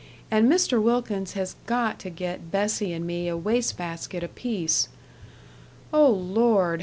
And Mr. Wilkins has got to get Bessie and me a waste basket apiece. Oh, Lord!